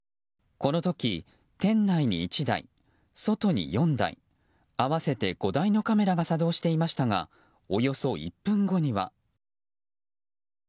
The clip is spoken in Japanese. この時、店内に１台外に４台合わせて５台のカメラが作動していましたがおよそ１分後には。